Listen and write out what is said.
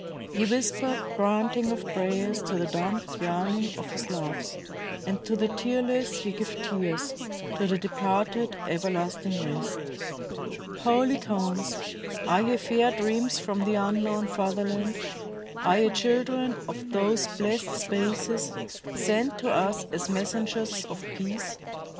Ye whisper granting of prayers to the dumb yearning of his loves, and to the tearless ye give tears, to the departed everlasting rest. "Holy tones, are ye fair dreams from the unknown fatherland? Are ye children of those blessed spaces, sent to us as messengers of peace?